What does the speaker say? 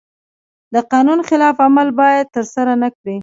د قانون خلاف عمل باید ترسره نکړي.